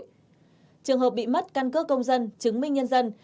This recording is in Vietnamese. trường hợp bị mất căn cước công dân chứng minh nhân dân